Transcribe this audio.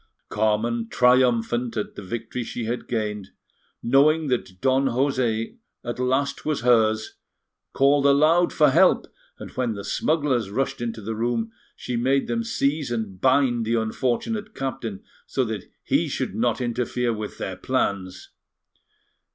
Carmen triumphant at the victory she had gained, knowing that Don José at last was hers, called aloud for help, and when the smugglers rushed into the room, she made them seize and bind the unfortunate captain so that he should not interfere with their plans.